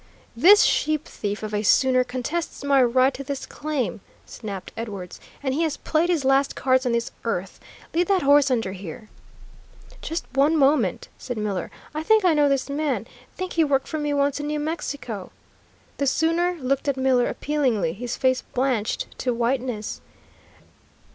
"This sheep thief of a sooner contests my right to this claim," snapped Edwards, "and he has played his last cards on this earth. Lead that horse under here." "Just one moment," said Miller. "I think I know this man think he worked for me once in New Mexico." The sooner looked at Miller appealingly, his face blanched to whiteness.